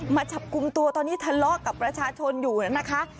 มาจับกลุ่มตัวตอนนี้ทะเลาะกับประชาชนอยู่นะคะ